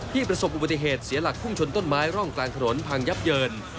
ประสบอุบัติเหตุเสียหลักพุ่งชนต้นไม้ร่องกลางถนนพังยับเยิน